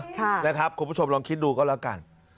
คุณผู้ชมลองคิดดูก็แล้วกัน